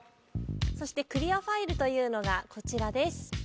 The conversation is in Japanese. そしてクリアファイルというのがこちらです。